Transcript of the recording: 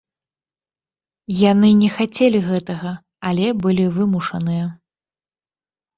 Яны не хацелі гэтага, але былі вымушаныя.